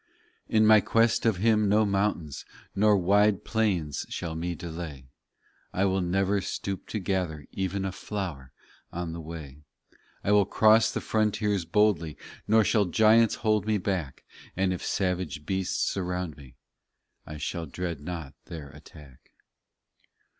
3 In my quest of Him no mountains, Nor wide plains shall me delay; I will never stoop to gather Even a flower on the way. POEMS 255 I will cross the frontiers boldly, Nor shall giants hold me back, And if savage beasts surround me I shall dread not their attack.